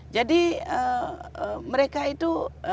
jadi mereka itu